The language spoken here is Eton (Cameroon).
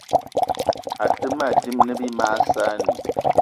Àtə́ mâ dímâ ne bí mag saanì